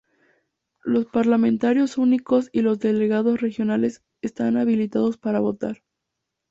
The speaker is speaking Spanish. Los parlamentarios únicos y los delegados regionales están habilitados para votar.